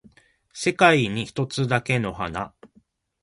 世界に一つだけの花